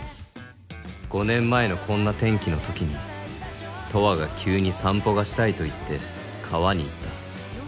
５年前のこんな天気の時に、十和が急に散歩がしたいと言って川に行った。